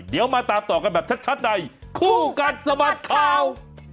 เดี๋ยวมาตามต่อกันแบบชัดในคู่กัดสะบัดข่าว